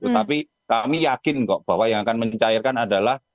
tapi kami yakin kok bahwa yang akan mencairkan adalah